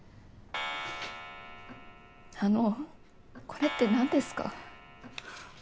あのこれって何ですか？